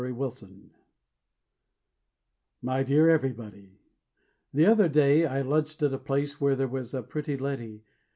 TO EVERYBODY My dear Everybody, The other day I lunched at a place Where there was a pretty lady.